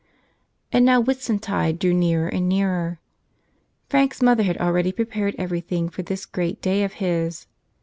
And now Whitsuntide drew nearer and nearer. Frank's mother had already prepared everything for this great day of his.